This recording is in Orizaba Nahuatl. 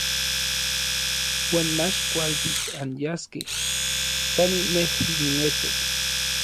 Iuan mach kualtis anyaskej kanin nej nietos.